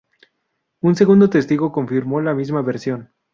Un segundo testigo confirmó la misma versión.